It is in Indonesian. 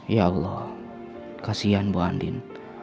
ya allah kasian bu andin